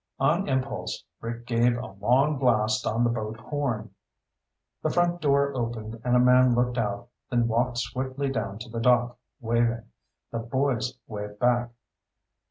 On impulse, Rick gave a long blast on the boat horn. The front door opened and a man looked out, then walked swiftly down to the dock, waving. The boys waved back.